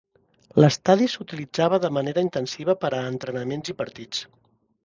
L'estadi s'utilitzava de manera intensiva per a entrenaments i partits.